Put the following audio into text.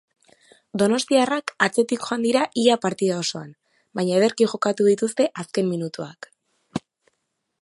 Donostiarrak atzetik joan dira ia partida osoan baina ederki jokatu ditzute azken minutuak.